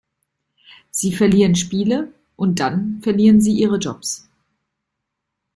Sie verlieren Spiele und dann verlieren sie ihre Jobs.